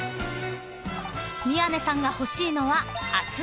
［宮根さんが欲しいのは］